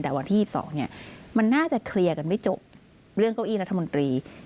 แต่วันที่๒๒เนี่ยมันน่าจะเคลียร์กันไม่จบเรื่องเก้าอี้รัฐมนตรี